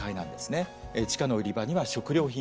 地下の売り場には食料品があります。